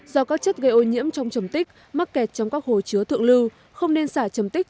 do các chất gây ô nhiễm trong trầm tích mắc kẹt trong các hồ chứa thượng lưu không nên xả trầm tích